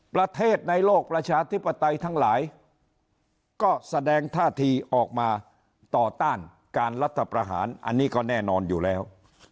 ประเทศในโลกประชาธิปไตยทั้งหลายก็แสดงท่าทีออกมาต่อต้านการรัฐประหารอันนี้ก็แน่นอนอยู่แล้ว